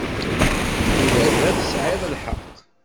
Ula da, tesɛiḍ lḥeqq.